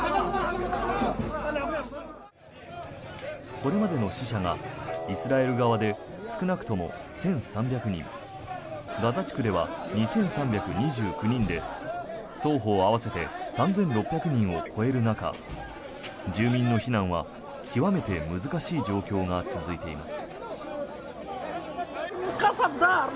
これまでの死者がイスラエル側で少なくとも１３００人ガザ地区では２３２９人で双方合わせて３６００人を超える中住民の避難は極めて難しい状況が続いています。